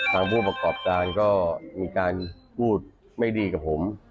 ผู้ประกอบการก็มีการพูดไม่ดีกับผม